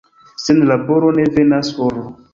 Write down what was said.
Sen laboro ne venas oro.